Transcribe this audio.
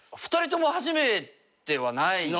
２人とも初めてはない。